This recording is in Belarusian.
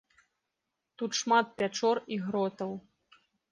Тут шмат пячор і гротаў.